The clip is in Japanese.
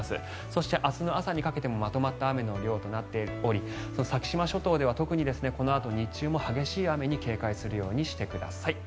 そして明日の朝にかけてもまとまった雨の量となっており先島諸島では特にこのあと日中も激しい雨に警戒するようにしてください。